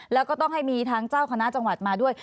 แล้วก็ต้องให้มีทั้งเจ้าคณะจังหวัดมาด้วย